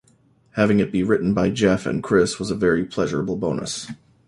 Having it be written by Geoff and Kris was a very pleasurable bonus.